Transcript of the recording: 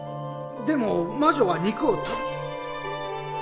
でも魔女は肉を。